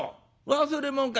忘れもんか？」。